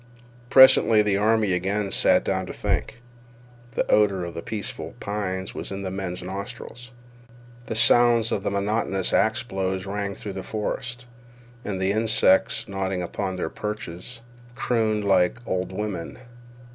Presently the army again sat down to think. The odor of the peaceful pines was in the men's nostrils. The sound of monotonous axe blows rang through the forest, and the insects, nodding upon their perches, crooned like old women.